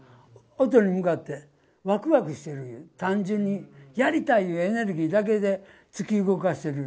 音に向かってわくわくしてるんよ、単純に、やりたいいうエネルギーだけで突き動かしてる。